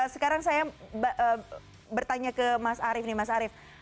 sekarang saya bertanya ke mas arief nih mas arief